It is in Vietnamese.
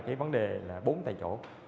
cái vấn đề là bốn tại chỗ